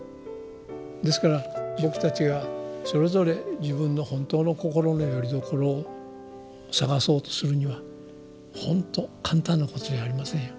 ですから僕たちがそれぞれ自分の本当の心のよりどころを探そうとするには本当簡単なことじゃありませんよ。